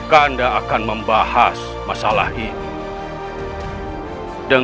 anda akan membahas masalah ini